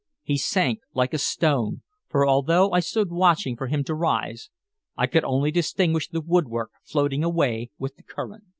He sank like a stone, for although I stood watching for him to rise, I could only distinguish the woodwork floating away with the current.